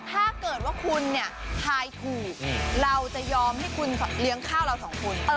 ถ้าเกิดว่าคุณเนี่ยทายถูกเราจะยอมให้คุณเลี้ยงข้าวเราสองคน